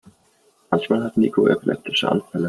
Manchmal hat Niko epileptische Anfälle.